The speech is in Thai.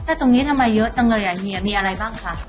ถ้าตรงนี้ทำไมเยอะจังเลยอ่ะเฮียมีอะไรบ้างคะ